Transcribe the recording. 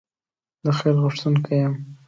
د خیر غوښتونکی یم.